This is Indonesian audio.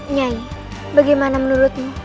nyanyi bagaimana menurutmu